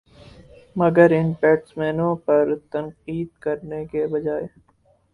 مگر ان بیٹسمینوں پر تنقید کرنے کے بجائے